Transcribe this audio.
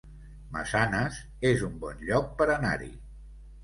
Massanes es un bon lloc per anar-hi